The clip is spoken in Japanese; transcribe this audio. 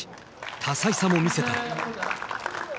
多彩さも見せた。